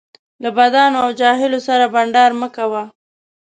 له بدانو او جاهلو سره بنډار مه کوه